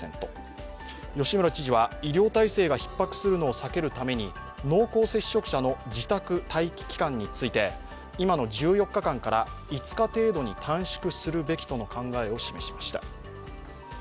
吉村知事は医療体制がひっ迫するのを避けるために濃厚接触者の自宅待機期間について今の１４日間から５日程度に短縮するべきとの考え方を示しました。